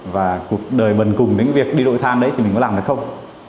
và cuộc đời bần cùng đến việc đi đội than đấy thì mình có làm được không